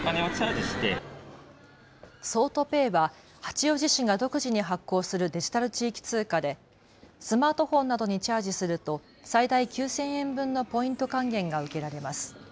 桑都ペイは八王子市が独自に発行するデジタル地域通貨でスマートフォンなどにチャージすると最大９０００円分のポイント還元が受けられます。